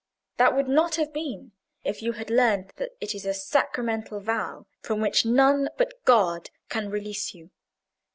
That would not have been, if you had learned that it is a sacramental vow, from which none but God can release you.